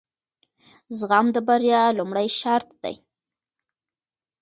زغم د بریا لومړی شرط دی.